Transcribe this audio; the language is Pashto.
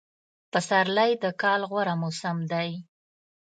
پسرلی دکال غوره موسم دی